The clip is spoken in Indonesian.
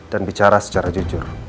dan bicara secara jujur